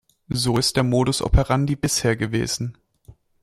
So ist der Modus operandi bisher gewesen.